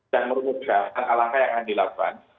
dan merumuskan alangkah yang akan dilakukan